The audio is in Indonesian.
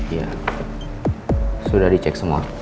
iya sudah dicek semua